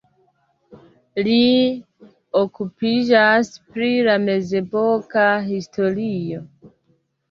Li okupiĝas pri la mezepoka historio.